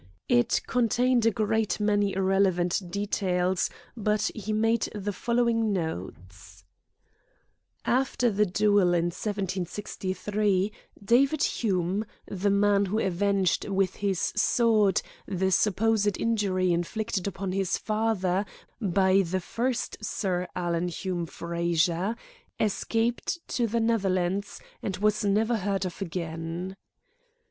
It contained a great many irrelevant details, but he made the following notes: After the duel in 1763, David Hume, the man who avenged with his sword the supposed injury inflicted upon his father by the first Sir Alan Hume Frazer, escaped to the Netherlands, and was never heard of again.